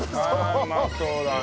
うまそうだね。